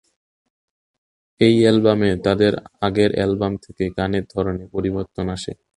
এই অ্যালবামে তাদের আগের অ্যালবাম থেকে গানের ধরনে পরিবর্তন আসে।